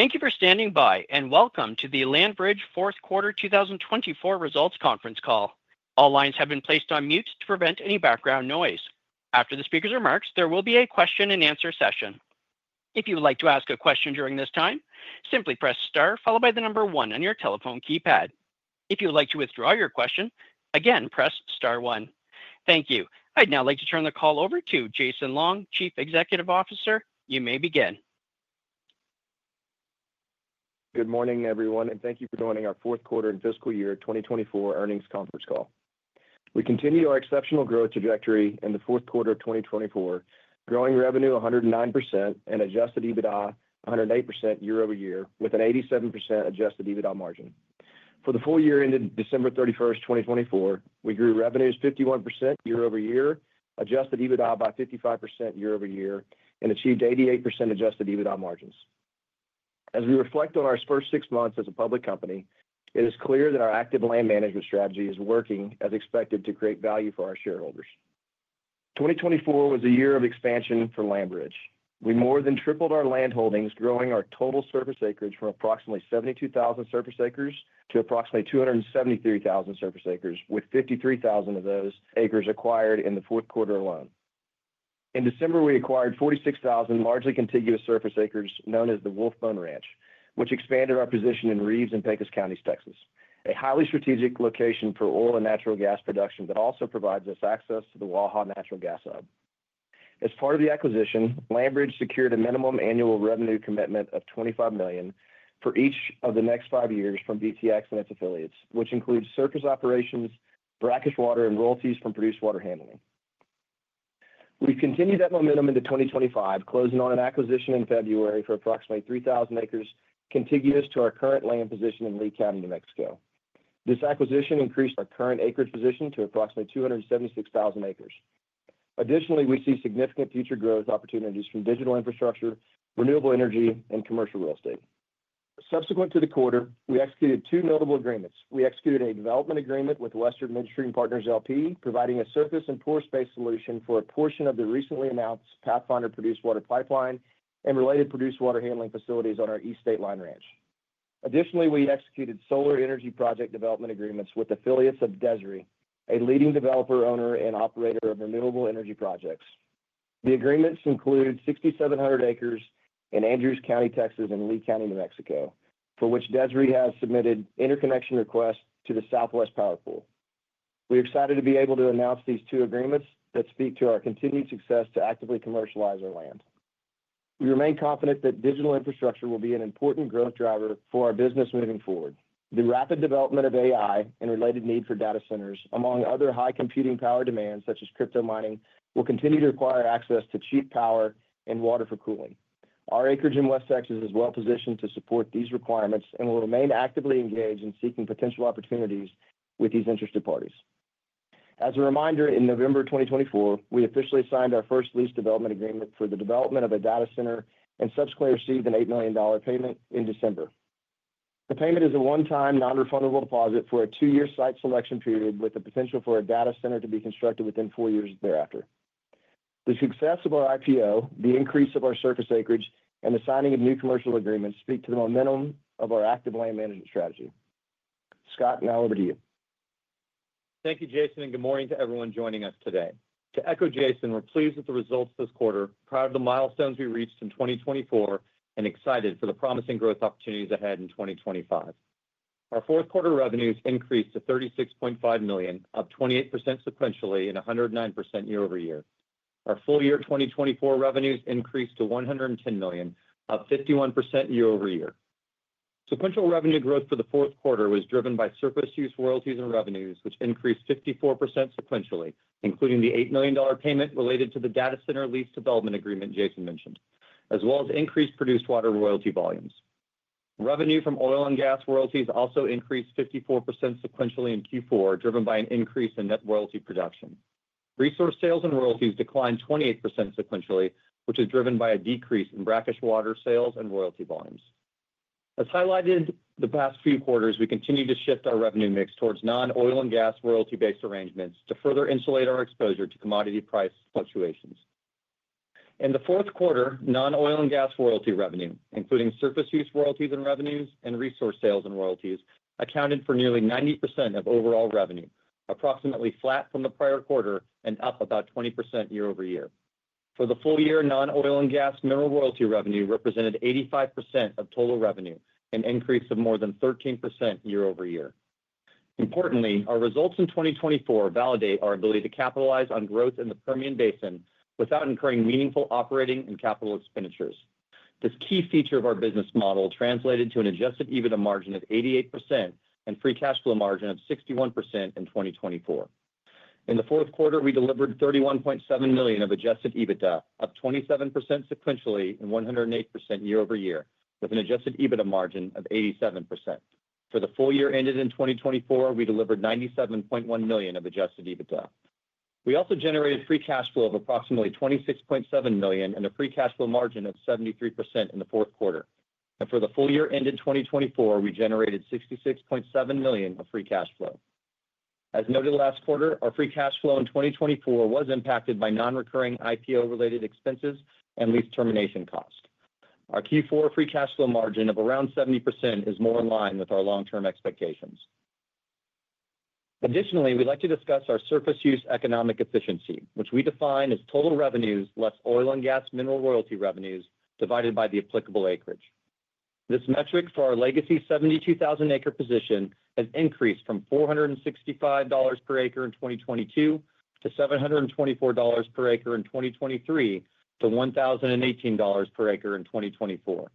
Thank you for standing by, and welcome to the LandBridge Fourth Quarter 2024 Results Conference Call. All lines have been placed on mute to prevent any background noise. After the speaker's remarks, there will be a question-and-answer session. If you would like to ask a question during this time, simply press Star, followed by the number 1 on your telephone keypad. If you would like to withdraw your question, again, press Star 1. Thank you. I'd now like to turn the call over to Jason Long, Chief Executive Officer. You may begin. Good morning, everyone, and thank you for joining our Fourth Quarter and Fiscal Year 2024 Earnings Conference Call. We continue our exceptional growth trajectory in the fourth quarter of 2024, growing revenue 109% and adjusted EBITDA 108% year-over-year, with an 87% adjusted EBITDA margin. For the full year ended December 31, 2024, we grew revenues 51% year-over-year, adjusted EBITDA by 55% year-over-year, and achieved 88% adjusted EBITDA margins. As we reflect on our first six months as a public company, it is clear that our active land management strategy is working as expected to create value for our shareholders. 2024 was a year of expansion for LandBridge. We more than tripled our land holdings, growing our total surface acreage from approximately 72,000 surface acres to approximately 273,000 surface acres, with 53,000 of those acres acquired in the fourth quarter alone. In December, we acquired 46,000 largely contiguous surface acres known as the Wolf Bone Ranch, which expanded our position in Reeves and Pecos County, Texas, a highly strategic location for oil and natural gas production that also provides us access to the Waha Natural Gas Hub. As part of the acquisition, LandBridge secured a minimum annual revenue commitment of $25 million for each of the next five years from BTX and its affiliates, which includes surface operations, brackish water, and royalties from produced water handling. We've continued that momentum into 2025, closing on an acquisition in February for approximately 3,000 acres contiguous to our current land position in Lea County, New Mexico. This acquisition increased our current acreage position to approximately 276,000 acres. Additionally, we see significant future growth opportunities from digital infrastructure, renewable energy, and commercial real estate. Subsequent to the quarter, we executed two notable agreements. We executed a development agreement with Western Midstream Partners, LP providing a surface and pore space solution for a portion of the recently announced Pathfinder Produced Water Pipeline and related produced water handling facilities on our East Stateline Ranch. Additionally, we executed solar energy project development agreements with affiliates of DESRI, a leading developer, owner, and operator of renewable energy projects. The agreements include 6,700 acres in Andrews County, Texas, and Lea County, New Mexico, for which DESRI has submitted interconnection requests to the Southwest Power Pool. We are excited to be able to announce these two agreements that speak to our continued success to actively commercialize our land. We remain confident that digital infrastructure will be an important growth driver for our business moving forward. The rapid development of AI and related need for data centers, among other high computing power demands such as crypto mining, will continue to require access to cheap power and water for cooling. Our acreage in West Texas is well positioned to support these requirements and will remain actively engaged in seeking potential opportunities with these interested parties. As a reminder, in November 2024, we officially signed our first lease development agreement for the development of a data center and subsequently received an $8 million payment in December. The payment is a one-time non-refundable deposit for a two-year site selection period, with the potential for a data center to be constructed within four years thereafter. The success of our IPO, the increase of our surface acreage, and the signing of new commercial agreements speak to the momentum of our active land management strategy. Scott, now over to you. Thank you, Jason, and good morning to everyone joining us today. To echo Jason, we're pleased with the results this quarter, proud of the milestones we reached in 2024, and excited for the promising growth opportunities ahead in 2025. Our fourth quarter revenues increased to $36.5 million, up 28% sequentially and 109% year-over-year. Our full year 2024 revenues increased to $110 million, up 51% year-over-year. Sequential revenue growth for the fourth quarter was driven by surface use, royalties, and revenues, which increased 54% sequentially, including the $8 million payment related to the data center lease development agreement Jason mentioned, as well as increased produced water royalty volumes. Revenue from oil and gas royalties also increased 54% sequentially in Q4, driven by an increase in net royalty production. Resource sales and royalties declined 28% sequentially, which is driven by a decrease in brackish water sales and royalty volumes. As highlighted the past few quarters, we continue to shift our revenue mix towards non-oil and gas royalty-based arrangements to further insulate our exposure to commodity price fluctuations. In the fourth quarter, non-oil and gas royalty revenue, including surface use royalties and revenues and resource sales and royalties, accounted for nearly 90% of overall revenue, approximately flat from the prior quarter and up about 20% year-over-year. For the full year, non-oil and gas mineral royalty revenue represented 85% of total revenue, an increase of more than 13% year-over-year. Importantly, our results in 2024 validate our ability to capitalize on growth in the Permian Basin without incurring meaningful operating and capital expenditures. This key feature of our business model translated to an adjusted EBITDA margin of 88% and free cash flow margin of 61% in 2024. In the fourth quarter, we delivered $31.7 million of adjusted EBITDA, up 27% sequentially and 108% year-over-year, with an adjusted EBITDA margin of 87%. For the full year ended in 2024, we delivered $97.1 million of adjusted EBITDA. We also generated free cash flow of approximately $26.7 million and a free cash flow margin of 73% in the fourth quarter. For the full year ended 2024, we generated $66.7 million of free cash flow. As noted last quarter, our free cash flow in 2024 was impacted by non-recurring IPO-related expenses and lease termination cost. Our Q4 free cash flow margin of around 70% is more in line with our long-term expectations. Additionally, we'd like to discuss our surface use economic efficiency, which we define as total revenues less oil and gas mineral royalty revenues divided by the applicable acreage. This metric for our legacy 72,000-acre position has increased from $465 per acre in 2022 to $724 per acre in 2023 to $1,018 per acre in 2024.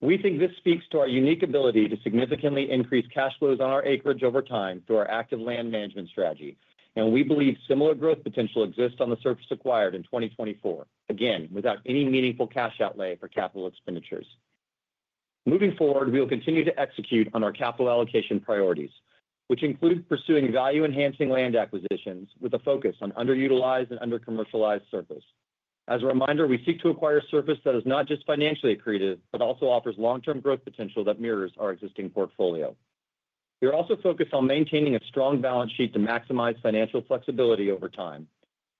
We think this speaks to our unique ability to significantly increase cash flows on our acreage over time through our active land management strategy, and we believe similar growth potential exists on the surface acquired in 2024, again, without any meaningful cash outlay for capital expenditures. Moving forward, we will continue to execute on our capital allocation priorities, which include pursuing value-enhancing land acquisitions with a focus on underutilized and undercommercialized surface. As a reminder, we seek to acquire surface that is not just financially accretive but also offers long-term growth potential that mirrors our existing portfolio. We are also focused on maintaining a strong balance sheet to maximize financial flexibility over time.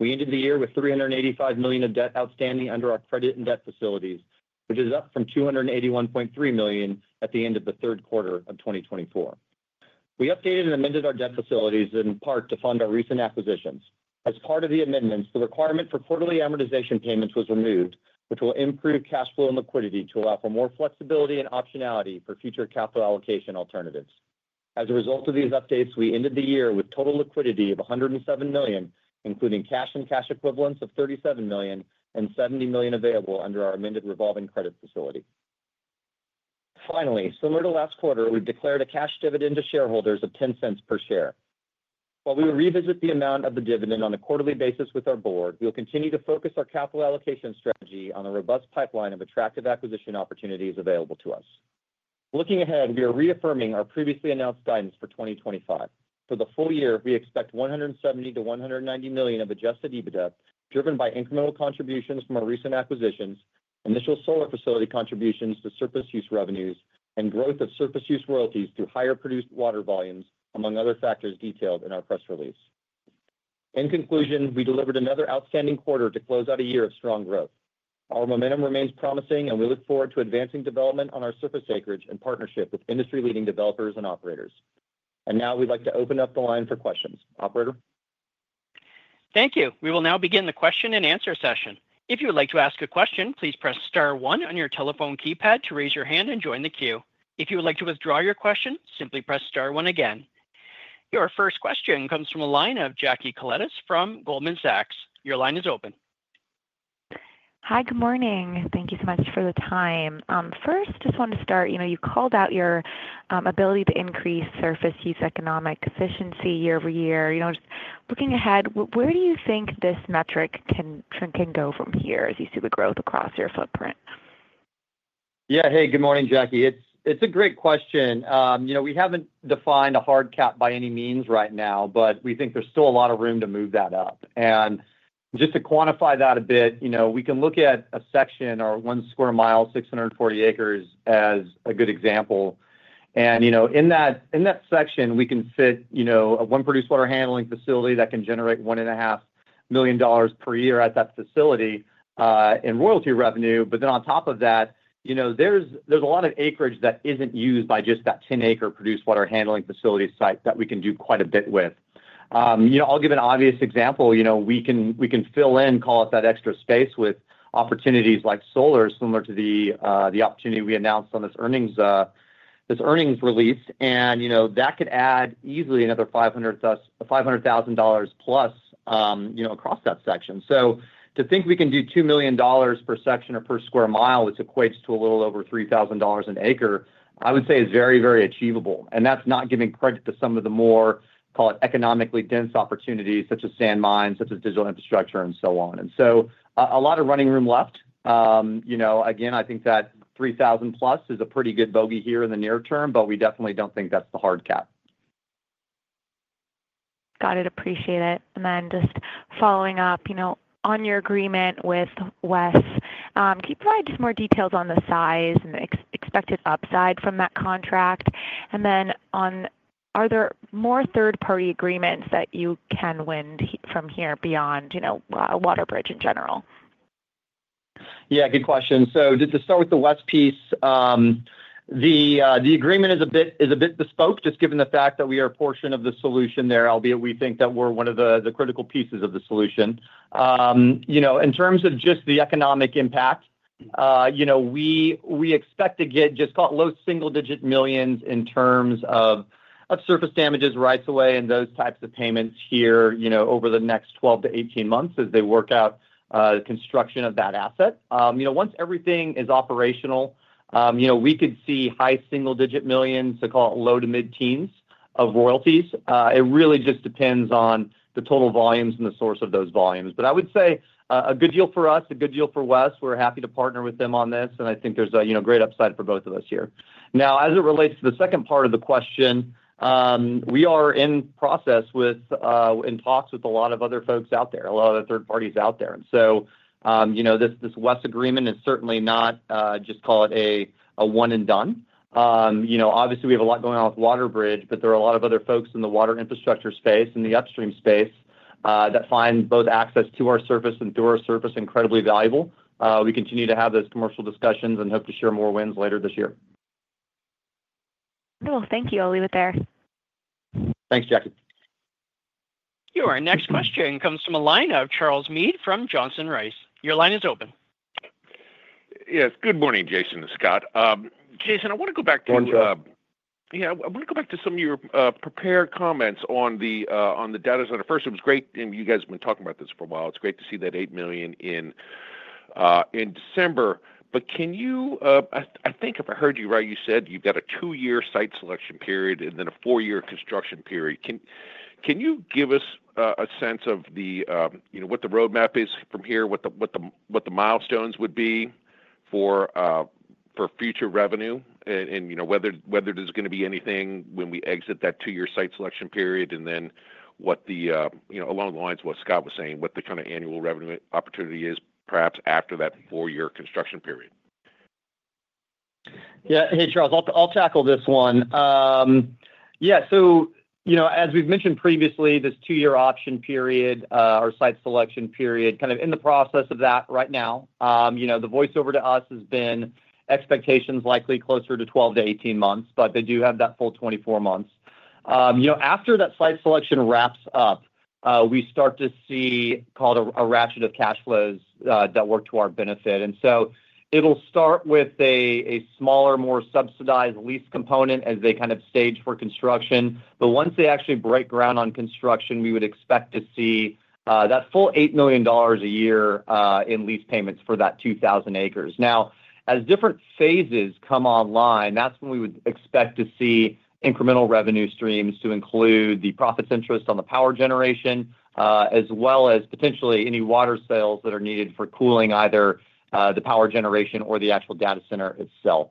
We ended the year with $385 million of debt outstanding under our credit and debt facilities, which is up from $281.3 million at the end of the third quarter of 2024. We updated and amended our debt facilities in part to fund our recent acquisitions. As part of the amendments, the requirement for quarterly amortization payments was removed, which will improve cash flow and liquidity to allow for more flexibility and optionality for future capital allocation alternatives. As a result of these updates, we ended the year with total liquidity of $107 million, including cash and cash equivalents of $37 million and $70 million available under our amended revolving credit facility. Finally, similar to last quarter, we've declared a cash dividend to shareholders of $0.10 per share. While we will revisit the amount of the dividend on a quarterly basis with our board, we will continue to focus our capital allocation strategy on a robust pipeline of attractive acquisition opportunities available to us. Looking ahead, we are reaffirming our previously announced guidance for 2025. For the full year, we expect $170-$190 million of adjusted EBITDA, driven by incremental contributions from our recent acquisitions, initial solar facility contributions to surface use revenues, and growth of surface use royalties through higher produced water volumes, among other factors detailed in our press release. In conclusion, we delivered another outstanding quarter to close out a year of strong growth. Our momentum remains promising, and we look forward to advancing development on our surface acreage in partnership with industry-leading developers and operators. We would like to open up the line for questions. Operator. Thank you. We will now begin the question-and-answer session. If you would like to ask a question, please press Star 1 on your telephone keypad to raise your hand and join the queue. If you would like to withdraw your question, simply press Star 1 again. Your first question comes from the line of Jackie Koletas from Goldman Sachs. Your line is open. Hi, good morning. Thank you so much for the time. First, just wanted to start, you know, you called out your ability to increase surface use economic efficiency year-over-year. You know, just looking ahead, where do you think this metric can go from here as you see the growth across your footprint? Yeah, hey, good morning, Jackie. It's a great question. You know, we haven't defined a hard cap by any means right now, but we think there's still a lot of room to move that up. Just to quantify that a bit, you know, we can look at a section or one square mile, 640 acres, as a good example. You know, in that section, we can fit, you know, one produced water handling facility that can generate $1.5 million per year at that facility in royalty revenue. Then on top of that, you know, there's a lot of acreage that isn't used by just that 10-acre produced water handling facility site that we can do quite a bit with. You know, I'll give an obvious example. You know, we can fill in, call up that extra space with opportunities like solar, similar to the opportunity we announced on this earnings release. You know, that could add easily another $500,000 plus, you know, across that section. To think we can do $2 million per section or per square mile, which equates to a little over $3,000 an acre, I would say is very, very achievable. That's not giving credit to some of the more, call it, economically dense opportunities, such as sand mines, such as digital infrastructure, and so on. A lot of running room left. You know, again, I think that $3,000 plus is a pretty good bogey here in the near term, but we definitely don't think that's the hard cap. Got it. Appreciate it. Just following up, you know, on your agreement with WES, can you provide just more details on the size and the expected upside from that contract? Are there more third-party agreements that you can win from here beyond, you know, WaterBridge in general? Yeah, good question. To start with the WES piece, the agreement is a bit bespoke, just given the fact that we are a portion of the solution there, albeit we think that we're one of the critical pieces of the solution. You know, in terms of just the economic impact, you know, we expect to get just, call it, low single-digit millions in terms of surface damages, rights of way, and those types of payments here, you know, over the next 12-18 months as they work out the construction of that asset. You know, once everything is operational, you know, we could see high single-digit millions, to call it, low to mid-teens of royalties. It really just depends on the total volumes and the source of those volumes. I would say a good deal for us, a good deal for WES. We're happy to partner with them on this, and I think there's a, you know, great upside for both of us here. Now, as it relates to the second part of the question, we are in process with, in talks with a lot of other folks out there, a lot of third parties out there. You know, this WES agreement is certainly not, just call it, a one and done. You know, obviously, we have a lot going on with WaterBridge, but there are a lot of other folks in the water infrastructure space and the upstream space that find both access to our surface and through our surface incredibly valuable. We continue to have those commercial discussions and hope to share more wins later this year. Thank you. I'll leave it there. Thanks, Jackie. Your next question comes from the line of Charles Meade from Johnson Rice. Your line is open. Yes. Good morning, Jason and Scott. Jason, I want to go back to. One drop. Yeah, I want to go back to some of your prepared comments on the data center. First, it was great, and you guys have been talking about this for a while. It's great to see that $8 million in December. Can you, I think if I heard you right, you said you've got a two-year site selection period and then a four-year construction period. Can you give us a sense of the, you know, what the roadmap is from here, what the milestones would be for future revenue, and, you know, whether there's going to be anything when we exit that two-year site selection period, and then what the, you know, along the lines of what Scott was saying, what the kind of annual revenue opportunity is perhaps after that four-year construction period? Yeah. Hey, Charles. I'll tackle this one. Yeah. You know, as we've mentioned previously, this two-year option period, our site selection period, kind of in the process of that right now. You know, the voiceover to us has been expectations likely closer to 12-18 months, but they do have that full 24 months. You know, after that site selection wraps up, we start to see, call it, a ration of cash flows that work to our benefit. It will start with a smaller, more subsidized lease component as they kind of stage for construction. Once they actually break ground on construction, we would expect to see that full $8 million a year in lease payments for that 2,000 acres. Now, as different phases come online, that's when we would expect to see incremental revenue streams to include the profits interest on the power generation, as well as potentially any water sales that are needed for cooling either the power generation or the actual data center itself.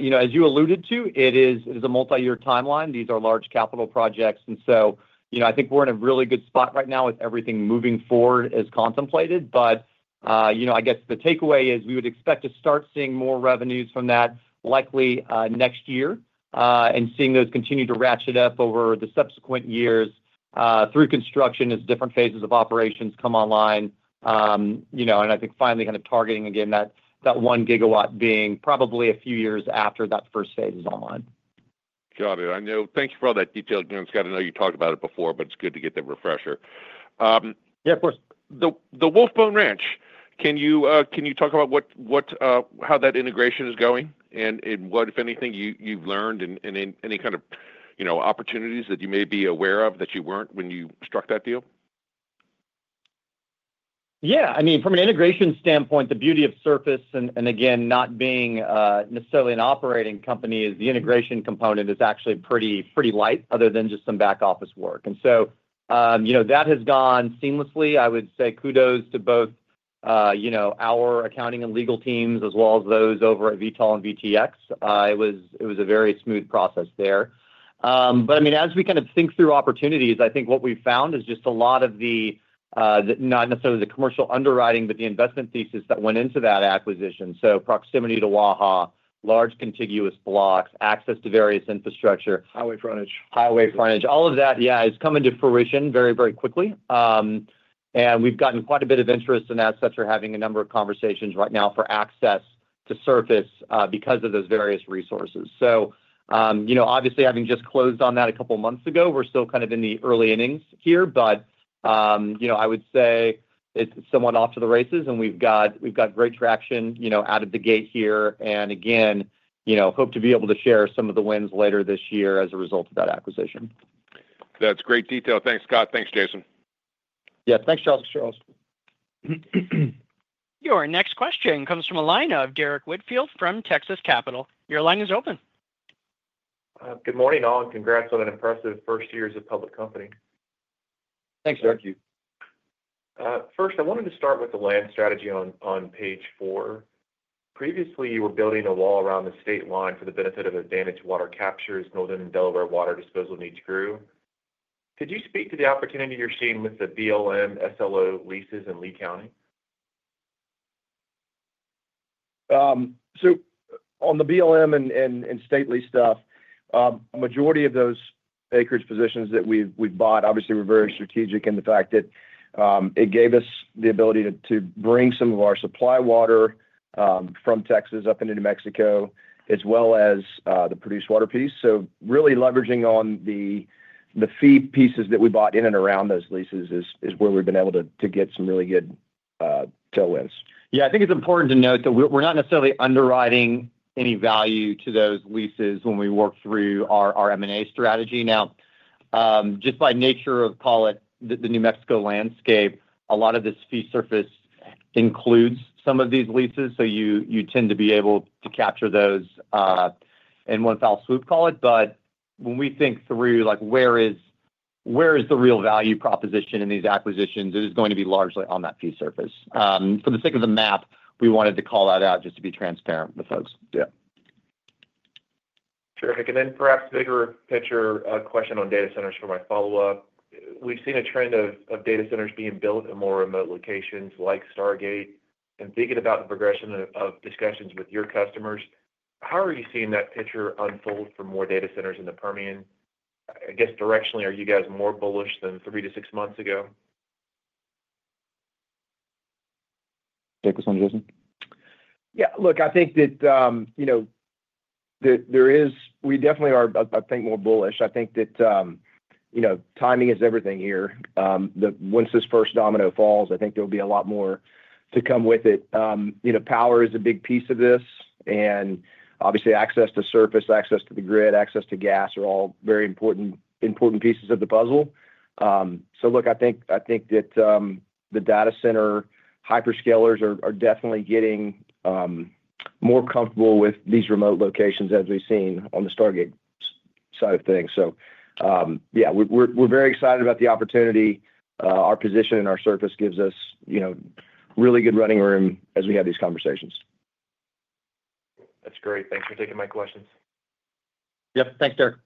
You know, as you alluded to, it is a multi-year timeline. These are large capital projects. I think we're in a really good spot right now with everything moving forward as contemplated. You know, I guess the takeaway is we would expect to start seeing more revenues from that likely next year and seeing those continue to ratchet up over the subsequent years through construction as different phases of operations come online. You know, and I think finally kind of targeting again that one gigawatt being probably a few years after that first phase is online. Got it. I know. Thank you for all that detail, Scott. I know you talked about it before, but it's good to get the refresher. Yeah, of course. The Wolf Bone Ranch, can you talk about how that integration is going and what, if anything, you've learned and any kind of, you know, opportunities that you may be aware of that you weren't when you struck that deal? Yeah. I mean, from an integration standpoint, the beauty of surface and, again, not being necessarily an operating company is the integration component is actually pretty light other than just some back office work. And so, you know, that has gone seamlessly. I would say kudos to both, you know, our accounting and legal teams as well as those over at BTX. It was a very smooth process there. I mean, as we kind of think through opportunities, I think what we've found is just a lot of the, not necessarily the commercial underwriting, but the investment thesis that went into that acquisition. So proximity to Waha, large contiguous blocks, access to various infrastructure. Highway frontage. Highway frontage. All of that, yeah, has come into fruition very, very quickly. We've gotten quite a bit of interest in that, such as having a number of conversations right now for access to surface because of those various resources. Obviously, having just closed on that a couple of months ago, we're still kind of in the early innings here. I would say it's somewhat off to the races, and we've got great traction, you know, out of the gate here. Again, you know, hope to be able to share some of the wins later this year as a result of that acquisition. That's great detail. Thanks, Scott. Thanks, Jason. Yeah. Thanks, Charles. Your next question comes from Derrick Whitfield from Texas Capital. Your line is open. Good morning, Alan. Congrats on an impressive first year as a public company. Thanks, sir. Thank you. First, I wanted to start with the land strategy on page four. Previously, you were building a wall around the state line for the benefit of advantage water captures. Northern Delaware water disposal needs grew. Could you speak to the opportunity you're seeing with the BLM SLO leases in Lea County? On the BLM and stately stuff, majority of those acreage positions that we've bought, obviously, we're very strategic in the fact that it gave us the ability to bring some of our supply water from Texas up into New Mexico, as well as the produced water piece. Really leveraging on the fee pieces that we bought in and around those leases is where we've been able to get some really good tailwinds. I think it's important to note that we're not necessarily underwriting any value to those leases when we work through our M&A strategy. Now, just by nature of, call it, the New Mexico landscape, a lot of this fee surface includes some of these leases. You tend to be able to capture those in one fell swoop, call it. When we think through, like, where is the real value proposition in these acquisitions, it is going to be largely on that fee surface. For the sake of the map, we wanted to call that out just to be transparent with folks. Yeah. Terrific. Perhaps bigger picture question on data centers for my follow-up. We've seen a trend of data centers being built in more remote locations like Stargate. Thinking about the progression of discussions with your customers, how are you seeing that picture unfold for more data centers in the Permian? I guess directionally, are you guys more bullish than three to six months ago? Take this one, Jason. Yeah. Look, I think that, you know, there is, we definitely are, I think, more bullish. I think that, you know, timing is everything here. Once this first domino falls, I think there will be a lot more to come with it. You know, power is a big piece of this. Obviously, access to surface, access to the grid, access to gas are all very important pieces of the puzzle. Look, I think that the data center hyperscalers are definitely getting more comfortable with these remote locations as we've seen on the Stargate side of things. Yeah, we're very excited about the opportunity. Our position and our surface gives us, you know, really good running room as we have these conversations. That's great. Thanks for taking my questions. Yep. Thanks, Derek.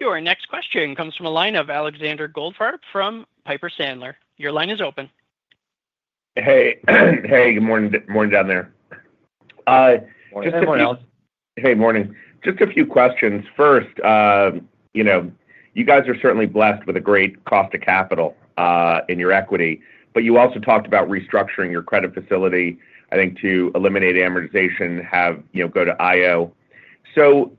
Your next question comes from Alexander Goldfarb from Piper Sandler. Your line is open. Hey. Good morning down there. Morning. Just a morning. Hey. Morning. Hey. Morning. Just a few questions. First, you know, you guys are certainly blessed with a great cost of capital in your equity. You also talked about restructuring your credit facility, I think, to eliminate amortization, have, you know, go to IO.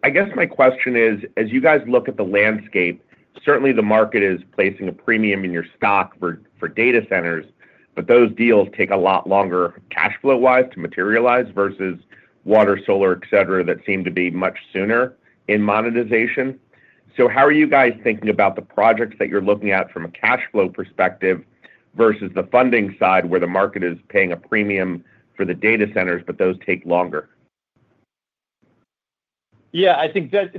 I guess my question is, as you guys look at the landscape, certainly the market is placing a premium in your stock for data centers, but those deals take a lot longer cash flow-wise to materialize versus water, solar, et cetera, that seem to be much sooner in monetization. How are you guys thinking about the projects that you're looking at from a cash flow perspective versus the funding side where the market is paying a premium for the data centers, but those take longer? Yeah. I think that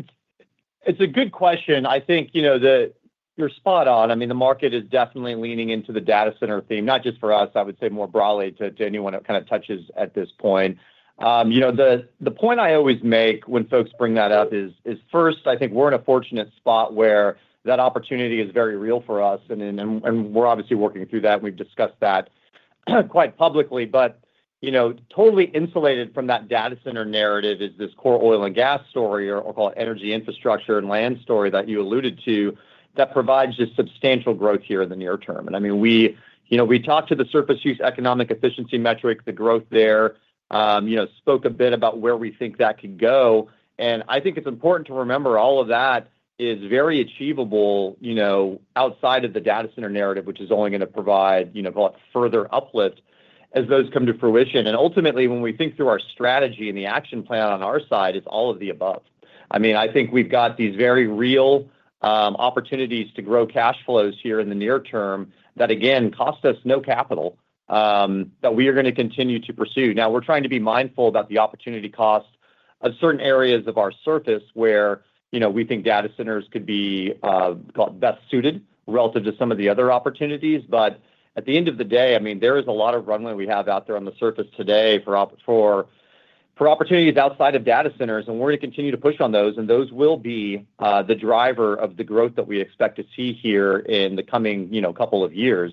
it's a good question. I think, you know, that you're spot on. I mean, the market is definitely leaning into the data center theme, not just for us. I would say more broadly to anyone that kind of touches at this point. You know, the point I always make when folks bring that up is, first, I think we're in a fortunate spot where that opportunity is very real for us. And we're obviously working through that. We've discussed that quite publicly. You know, totally insulated from that data center narrative is this core oil and gas story or, call it, energy infrastructure and land story that you alluded to that provides just substantial growth here in the near term. I mean, we, you know, we talked to the surface use economic efficiency metric, the growth there, you know, spoke a bit about where we think that could go. I think it's important to remember all of that is very achievable, you know, outside of the data center narrative, which is only going to provide, you know, further uplift as those come to fruition. Ultimately, when we think through our strategy and the action plan on our side, it's all of the above. I mean, I think we've got these very real opportunities to grow cash flows here in the near term that, again, cost us no capital that we are going to continue to pursue. Now, we're trying to be mindful about the opportunity cost of certain areas of our surface where, you know, we think data centers could be, call it, best suited relative to some of the other opportunities. At the end of the day, I mean, there is a lot of runway we have out there on the surface today for opportunities outside of data centers. We're going to continue to push on those. Those will be the driver of the growth that we expect to see here in the coming, you know, couple of years.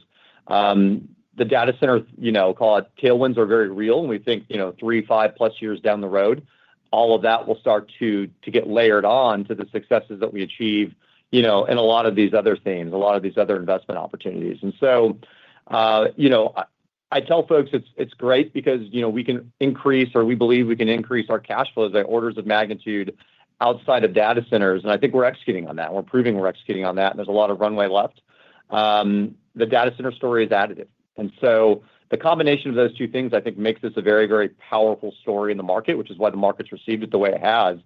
The data center, you know, call it, tailwinds are very real. We think, you know, three, five plus years down the road, all of that will start to get layered on to the successes that we achieve, you know, in a lot of these other themes, a lot of these other investment opportunities. I tell folks it's great because, you know, we can increase or we believe we can increase our cash flows by orders of magnitude outside of data centers. I think we're executing on that. We're proving we're executing on that. There's a lot of runway left. The data center story is additive. The combination of those two things, I think, makes this a very, very powerful story in the market, which is why the market's received it the way it has.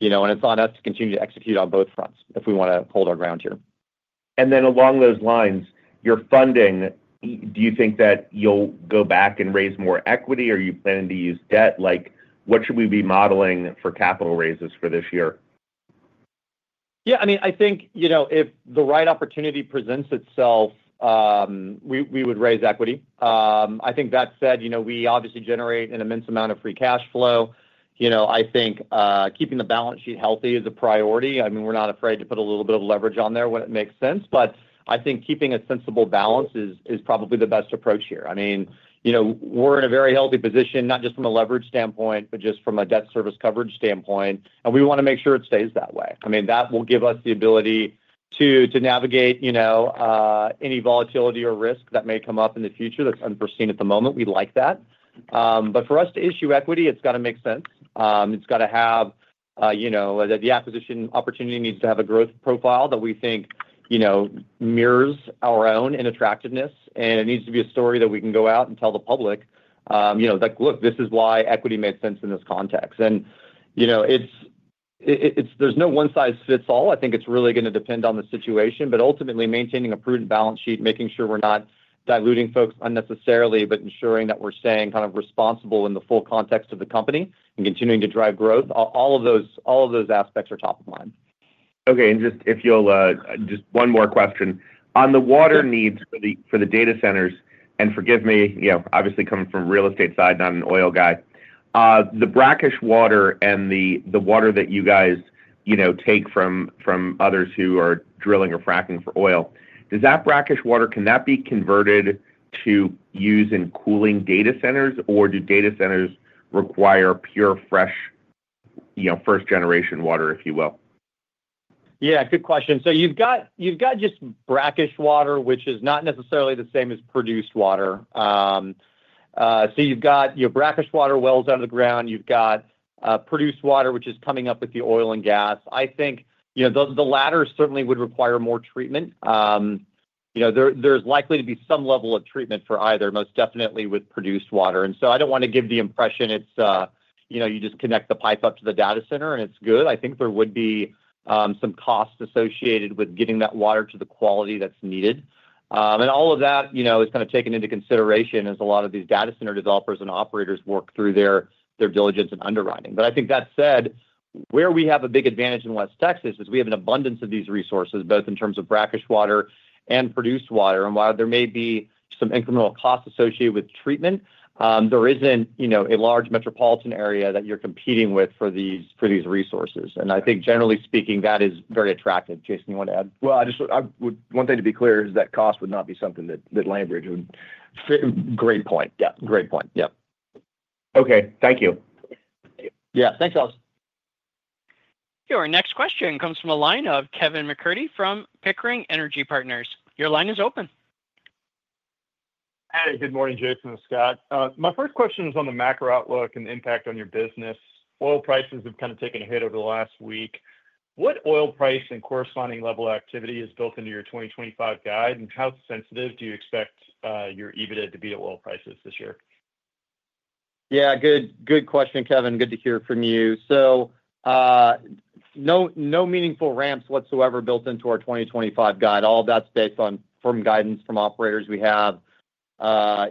You know, and it's on us to continue to execute on both fronts if we want to hold our ground here. Then along those lines, your funding, do you think that you'll go back and raise more equity? Are you planning to use debt? Like, what should we be modeling for capital raises for this year? Yeah. I mean, I think, you know, if the right opportunity presents itself, we would raise equity. I think that said, you know, we obviously generate an immense amount of free cash flow. You know, I think keeping the balance sheet healthy is a priority. I mean, we're not afraid to put a little bit of leverage on there when it makes sense. I think keeping a sensible balance is probably the best approach here. I mean, you know, we're in a very healthy position, not just from a leverage standpoint, but just from a debt service coverage standpoint. We want to make sure it stays that way. I mean, that will give us the ability to navigate, you know, any volatility or risk that may come up in the future that's unforeseen at the moment. We like that. For us to issue equity, it's got to make sense. It's got to have, you know, the acquisition opportunity needs to have a growth profile that we think, you know, mirrors our own in attractiveness. It needs to be a story that we can go out and tell the public, you know, that, look, this is why equity makes sense in this context. You know, there's no one size fits all. I think it's really going to depend on the situation. Ultimately, maintaining a prudent balance sheet, making sure we're not diluting folks unnecessarily, but ensuring that we're staying kind of responsible in the full context of the company and continuing to drive growth, all of those aspects are top of mind. Okay. If you'll, just one more question. On the water needs for the data centers, and forgive me, you know, obviously coming from a real estate side, not an oil guy, the brackish water and the water that you guys, you know, take from others who are drilling or fracking for oil, does that brackish water, can that be converted to use in cooling data centers, or do data centers require pure fresh, you know, first generation water, if you will? Yeah. Good question. You have just brackish water, which is not necessarily the same as produced water. You have, you know, brackish water wells out of the ground. You have produced water, which is coming up with the oil and gas. I think, you know, the latter certainly would require more treatment. You know, there is likely to be some level of treatment for either, most definitely with produced water. I do not want to give the impression it is, you know, you just connect the pipe up to the data center and it is good. I think there would be some cost associated with getting that water to the quality that is needed. All of that, you know, is kind of taken into consideration as a lot of these data center developers and operators work through their diligence and underwriting. I think that said, where we have a big advantage in West Texas is we have an abundance of these resources, both in terms of brackish water and produced water. While there may be some incremental cost associated with treatment, there is not, you know, a large metropolitan area that you are competing with for these resources. I think, generally speaking, that is very attractive. Jason, you want to add? I just, one thing to be clear is that cost would not be something that LandBridge would. Great point. Yeah. Okay. Thank you. Yeah. Thanks, Alan. Your next question comes from Kevin McCurdy from Pickering Energy Partners. Your line is open. Hey. Good morning, Jason and Scott. My first question is on the macro outlook and impact on your business. Oil prices have kind of taken a hit over the last week. What oil price and corresponding level of activity is built into your 2025 guide, and how sensitive do you expect your EBITDA to be to oil prices this year? Yeah. Good question, Kevin. Good to hear from you. No meaningful ramps whatsoever built into our 2025 guide. All that's based on firm guidance from operators we have,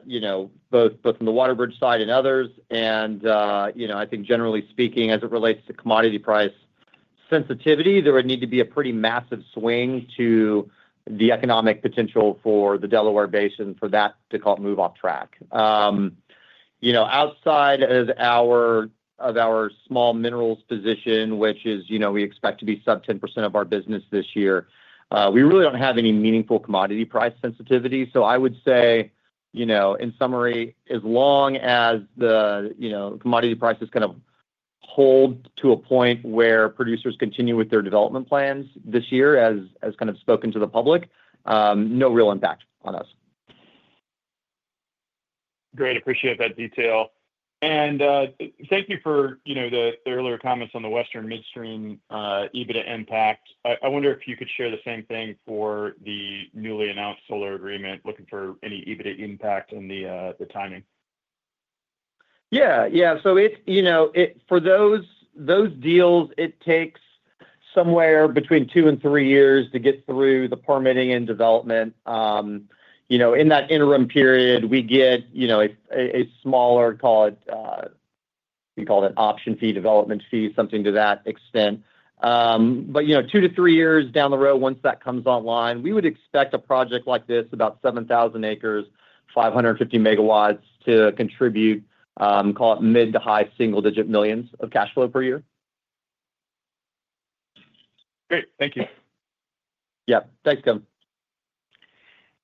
you know, both from the WaterBridge side and others. You know, I think generally speaking, as it relates to commodity price sensitivity, there would need to be a pretty massive swing to the economic potential for the Delaware Basin for that to, call it, move off track. You know, outside of our small minerals position, which is, you know, we expect to be sub 10% of our business this year, we really do not have any meaningful commodity price sensitivity. I would say, you know, in summary, as long as the, you know, commodity prices kind of hold to a point where producers continue with their development plans this year, as kind of spoken to the public, no real impact on us. Great. Appreciate that detail. Thank you for, you know, the earlier comments on the Western Midstream EBITDA impact. I wonder if you could share the same thing for the newly announced solar agreement, looking for any EBITDA impact in the timing. Yeah. Yeah. For those deals, it takes somewhere between two and three years to get through the permitting and development. In that interim period, we get, you know, a smaller, call it, we call it an option fee, development fee, something to that extent. Two to three years down the road, once that comes online, we would expect a project like this, about 7,000 acres, 550 MW to contribute, call it, mid to high single-digit millions of cash flow per year. Great. Thank you. Yeah. Thanks, Kevin.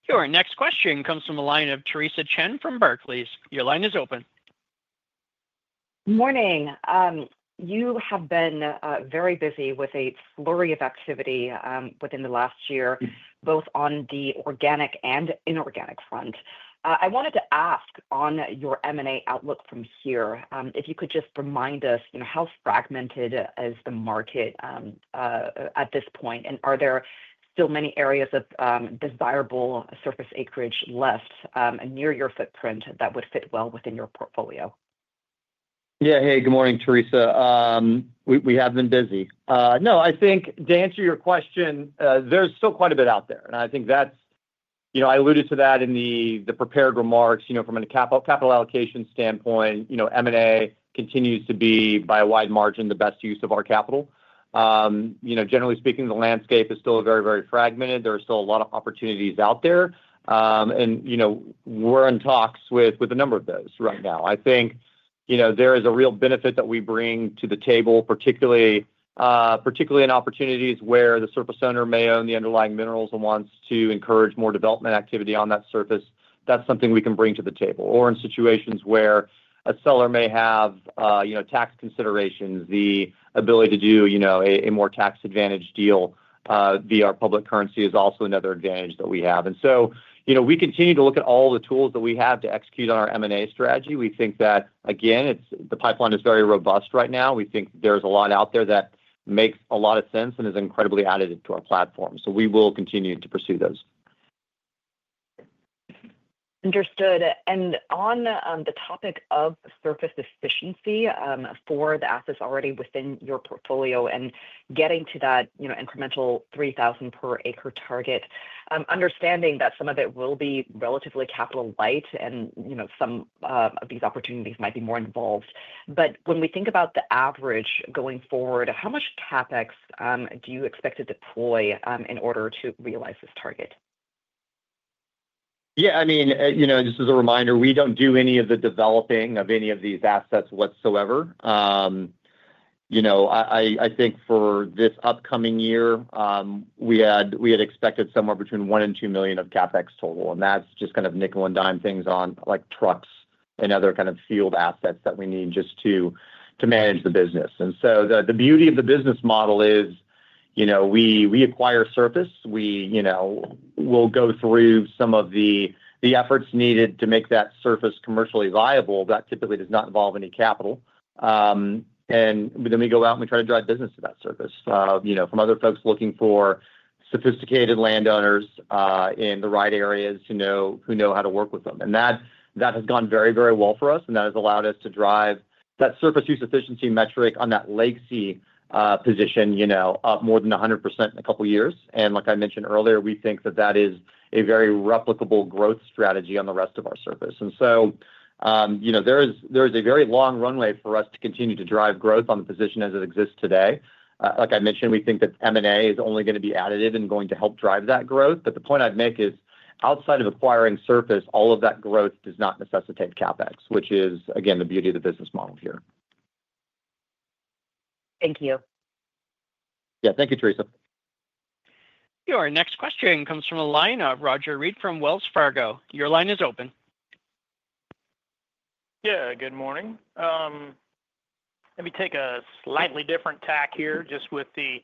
Your next question comes from the line of Theresa Chen from Barclays. Your line is open. Good morning. You have been very busy with a flurry of activity within the last year, both on the organic and inorganic front. I wanted to ask on your M&A outlook from here, if you could just remind us, you know, how fragmented is the market at this point? And are there still many areas of desirable surface acreage left and near your footprint that would fit well within your portfolio? Yeah. Hey. Good morning, Theresa. We have been busy. No, I think to answer your question, there's still quite a bit out there. I think that's, you know, I alluded to that in the prepared remarks, you know, from a capital allocation standpoint. You know, M&A continues to be, by a wide margin, the best use of our capital. You know, generally speaking, the landscape is still very, very fragmented. There are still a lot of opportunities out there. You know, we're in talks with a number of those right now. I think, you know, there is a real benefit that we bring to the table, particularly in opportunities where the surface owner may own the underlying minerals and wants to encourage more development activity on that surface. That's something we can bring to the table. In situations where a seller may have, you know, tax considerations, the ability to do, you know, a more tax-advantaged deal via our public currency is also another advantage that we have. You know, we continue to look at all the tools that we have to execute on our M&A strategy. We think that, again, the pipeline is very robust right now. We think there is a lot out there that makes a lot of sense and is incredibly additive to our platform. We will continue to pursue those. Understood. On the topic of surface efficiency for the assets already within your portfolio and getting to that, you know, incremental $3,000 per acre target, understanding that some of it will be relatively capital light and, you know, some of these opportunities might be more involved. When we think about the average going forward, how much CapEx do you expect to deploy in order to realize this target? Yeah. I mean, you know, just as a reminder, we do not do any of the developing of any of these assets whatsoever. You know, I think for this upcoming year, we had expected somewhere between $1 million and $2 million of CapEx total. That is just kind of nickel-and-dime things on, like, trucks and other kind of field assets that we need just to manage the business. The beauty of the business model is, you know, we acquire surface. We, you know, will go through some of the efforts needed to make that surface commercially viable. That typically does not involve any capital. We go out and we try to drive business to that surface, you know, from other folks looking for sophisticated landowners in the right areas who know how to work with them. That has gone very, very well for us. That has allowed us to drive that surface use efficiency metric on that legacy position, you know, up more than 100% in a couple of years. Like I mentioned earlier, we think that that is a very replicable growth strategy on the rest of our surface. You know, there is a very long runway for us to continue to drive growth on the position as it exists today. Like I mentioned, we think that M&A is only going to be additive and going to help drive that growth. The point I'd make is outside of acquiring surface, all of that growth does not necessitate CapEx, which is, again, the beauty of the business model here. Thank you. Yeah. Thank you, Teresa. Your next question comes from the line of of Roger Reed from Wells Fargo. Your line is open. Yeah. Good morning. Let me take a slightly different tack here just with the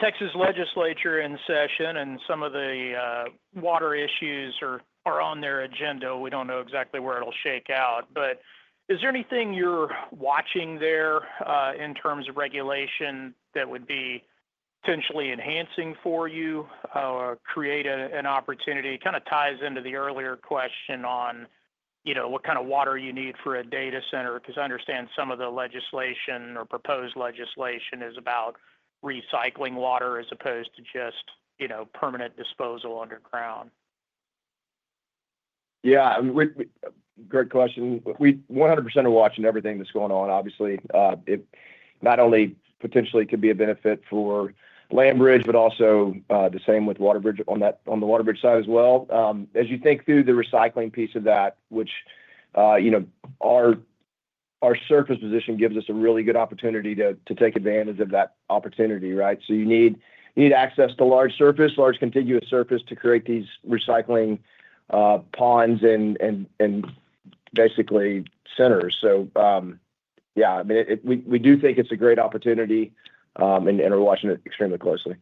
Texas legislature in session and some of the water issues are on their agenda. We do not know exactly where it will shake out. Is there anything you are watching there in terms of regulation that would be potentially enhancing for you or create an opportunity? It kind of ties into the earlier question on, you know, what kind of water you need for a data center because I understand some of the legislation or proposed legislation is about recycling water as opposed to just, you know, permanent disposal underground. Yeah. Great question. We 100% are watching everything that's going on, obviously. It not only potentially could be a benefit for LandBridge, but also the same with WaterBridge on the WaterBridge side as well. As you think through the recycling piece of that, which, you know, our surface position gives us a really good opportunity to take advantage of that opportunity, right? You need access to large surface, large contiguous surface to create these recycling ponds and basically centers. Yeah, I mean, we do think it's a great opportunity and are watching it extremely closely.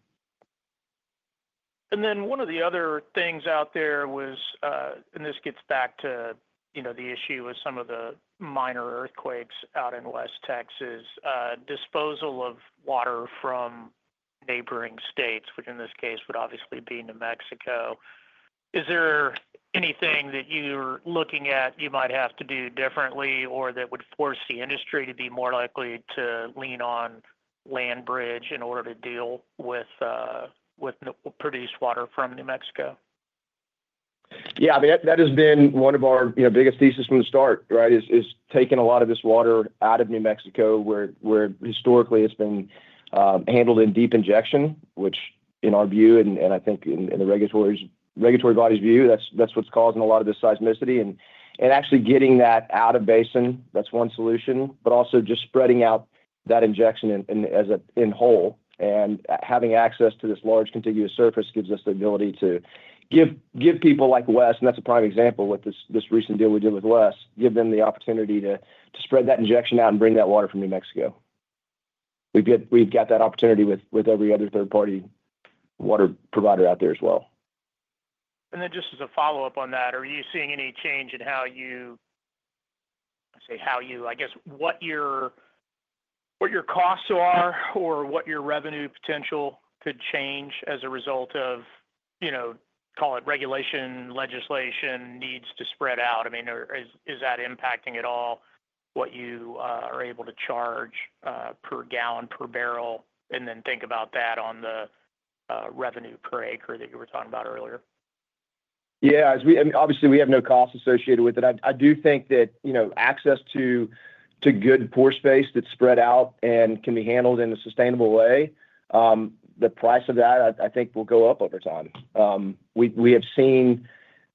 One of the other things out there was, and this gets back to, you know, the issue with some of the minor earthquakes out in West Texas, disposal of water from neighboring states, which in this case would obviously be New Mexico. Is there anything that you're looking at you might have to do differently or that would force the industry to be more likely to lean on LandBridge in order to deal with produced water from New Mexico? Yeah. I mean, that has been one of our, you know, biggest theses from the start, right, is taking a lot of this water out of New Mexico where historically it's been handled in deep injection, which in our view and I think in the regulatory body's view, that's what's causing a lot of this seismicity. Actually getting that out of basin, that's one solution, but also just spreading out that injection in whole and having access to this large contiguous surface gives us the ability to give people like West, and that's a prime example with this recent deal we did with West, give them the opportunity to spread that injection out and bring that water from New Mexico. We've got that opportunity with every other third-party water provider out there as well. Just as a follow-up on that, are you seeing any change in how you, I'd say how you, I guess, what your costs are or what your revenue potential could change as a result of, you know, call it regulation, legislation needs to spread out? I mean, is that impacting at all what you are able to charge per gallon, per barrel? Then think about that on the revenue per acre that you were talking about earlier. Yeah. Obviously, we have no cost associated with it. I do think that, you know, access to good pore space that's spread out and can be handled in a sustainable way, the price of that, I think, will go up over time. We have seen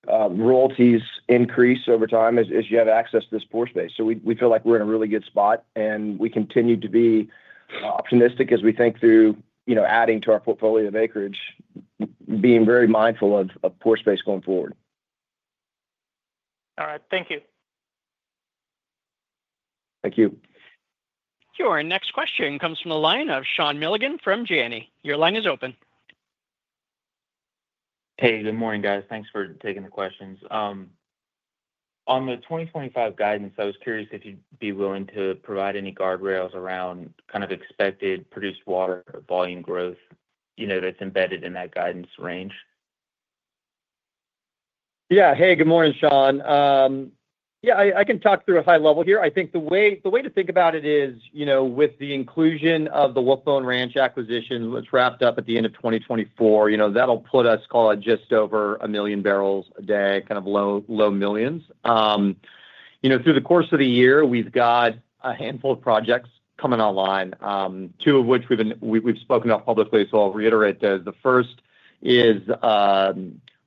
royalties increase over time as you have access to this pore space. We feel like we're in a really good spot. We continue to be optimistic as we think through, you know, adding to our portfolio of acreage, being very mindful of pore space going forward. All right. Thank you. Thank you. Your next question comes from Sean Milligan from Janney. Your line is open. Hey. Good morning, guys. Thanks for taking the questions. On the 2025 guidance, I was curious if you'd be willing to provide any guardrails around kind of expected produced water volume growth, you know, that's embedded in that guidance range. Yeah. Hey. Good morning, Sean. Yeah. I can talk through a high level here. I think the way to think about it is, you know, with the inclusion of the Wolf Bone Ranch acquisition that's wrapped up at the end of 2024, you know, that'll put us, call it, just over a million barrels a day, kind of low millions. You know, through the course of the year, we've got a handful of projects coming online, two of which we've spoken about publicly. So I'll reiterate those. The first is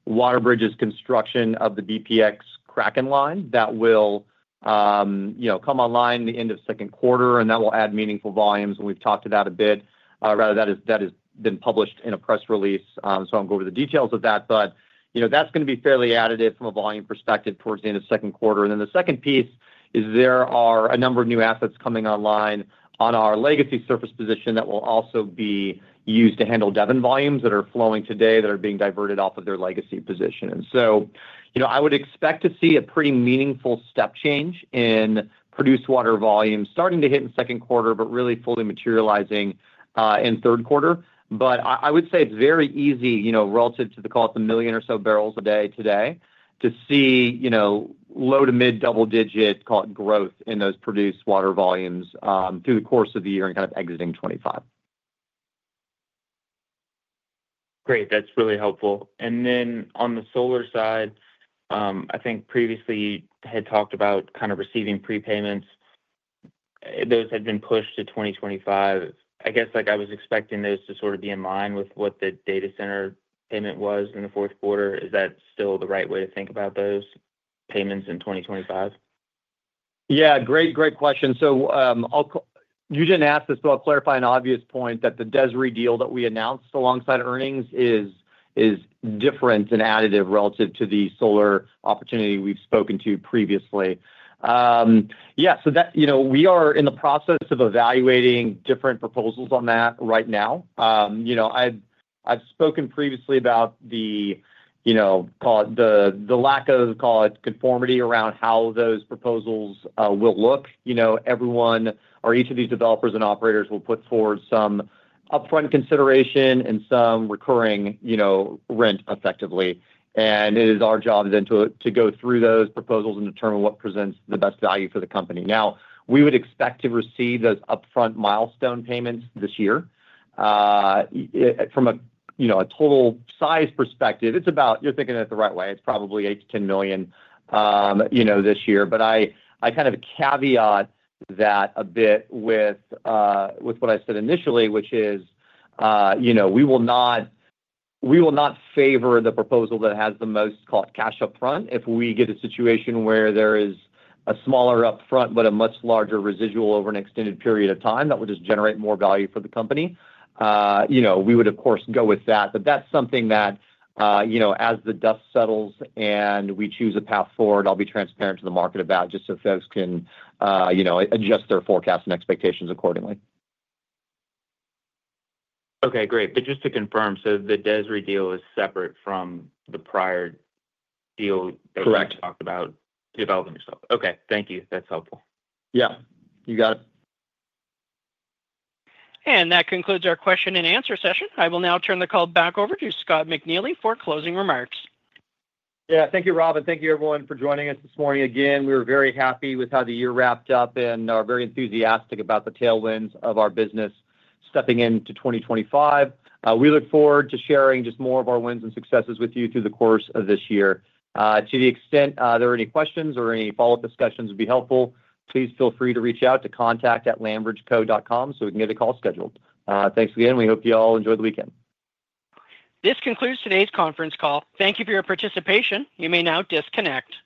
WaterBridge's construction of the bpx Kraken line that will, you know, come online at the end of second quarter. And that will add meaningful volumes. And we've talked to that a bit. Rather, that has been published in a press release. So I won't go over the details of that. You know, that's going to be fairly additive from a volume perspective towards the end of second quarter. The second piece is there are a number of new assets coming online on our legacy surface position that will also be used to handle Devon volumes that are flowing today that are being diverted off of their legacy position. You know, I would expect to see a pretty meaningful step change in produced water volume starting to hit in second quarter, but really fully materializing in third quarter. I would say it's very easy, you know, relative to the, call it, the million or so barrels a day today to see, you know, low to mid double-digit, call it, growth in those produced water volumes through the course of the year and kind of exiting 2025. Great. That's really helpful. On the solar side, I think previously you had talked about kind of receiving prepayments. Those had been pushed to 2025. I guess, like, I was expecting those to sort of be in line with what the data center payment was in the fourth quarter. Is that still the right way to think about those payments in 2025? Yeah. Great, great question. You did not ask this, but I'll clarify an obvious point that the DESRI deal that we announced alongside earnings is different and additive relative to the solar opportunity we've spoken to previously. Yeah. That, you know, we are in the process of evaluating different proposals on that right now. I've spoken previously about the, you know, call it, the lack of, call it, conformity around how those proposals will look. You know, everyone or each of these developers and operators will put forward some upfront consideration and some recurring, you know, rent effectively. It is our job then to go through those proposals and determine what presents the best value for the company. Now, we would expect to receive those upfront milestone payments this year. From a total size perspective, it's about, you're thinking it the right way. It's probably $8 million-$10 million, you know, this year. I kind of caveat that a bit with what I said initially, which is, you know, we will not favor the proposal that has the most, call it, cash upfront. If we get a situation where there is a smaller upfront but a much larger residual over an extended period of time that will just generate more value for the company, you know, we would, of course, go with that. That's something that, you know, as the dust settles and we choose a path forward, I'll be transparent to the market about just so folks can, you know, adjust their forecasts and expectations accordingly. Okay. Great. Just to confirm, the DESRI deal is separate from the prior deal that we talked about developing yourself. Correct. Okay. Thank you. That's helpful. Yeah. You got it. That concludes our question and answer session. I will now turn the call back over to Scott McNeely for closing remarks. Yeah. Thank you, Rob. Thank you, everyone, for joining us this morning again. We were very happy with how the year wrapped up and are very enthusiastic about the tailwinds of our business stepping into 2025. We look forward to sharing just more of our wins and successes with you through the course of this year. To the extent there are any questions or any follow-up discussions would be helpful, please feel free to reach out to contact@landbridgeco.com so we can get a call scheduled. Thanks again. We hope you all enjoy the weekend. This concludes today's conference call. Thank you for your participation. You may now disconnect.